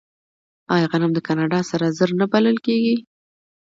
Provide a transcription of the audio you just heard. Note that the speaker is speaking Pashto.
آیا غنم د کاناډا سره زر نه بلل کیږي؟